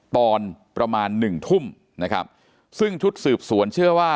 ตอนประมาณหนึ่งทุ่มนะครับซึ่งชุดสืบสวนเชื่อว่า